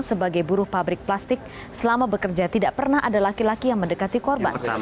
sebagai buruh pabrik plastik selama bekerja tidak pernah ada laki laki yang mendekati korban